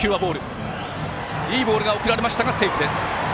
いいボールが送られましたがセーフ。